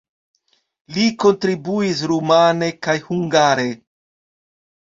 Li kontribuis rumane kaj hungare.